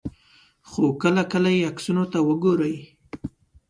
خو کله کله یې عکسونو ته وګورئ.